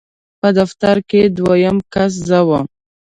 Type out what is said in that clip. په دفتر کې دویم کس زه وم.